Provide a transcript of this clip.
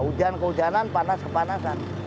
hujan kehujanan panas kepanasan